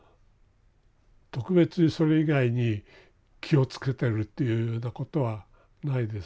特別にそれ以外に気をつけてるというようなことはないですね。